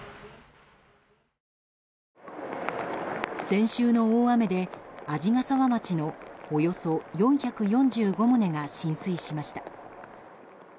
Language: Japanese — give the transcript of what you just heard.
先週の大雨で、鰺ヶ沢町のおよそ４４５棟が浸水しました。